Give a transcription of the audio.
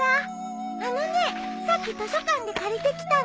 あのねさっき図書館で借りてきたの。